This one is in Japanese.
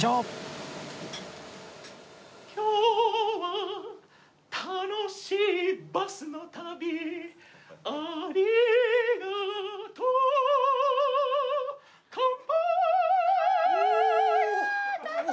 「今日は楽しいバスの旅」「ありがとう」わーっ！乾杯！